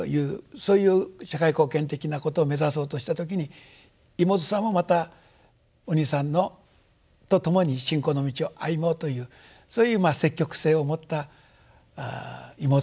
そういう社会貢献的なことを目指そうとした時に妹さんもまたお兄さんと共に信仰の道を歩もうというそういう積極性を持った妹さんでおありになった。